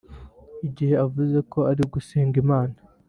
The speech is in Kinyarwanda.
igihe avuga ko ari gusenga Imana